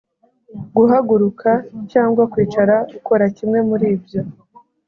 Guhaguruka cyangwa kwicara ukora kimwe muribyo